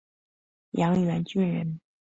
杨延俊人。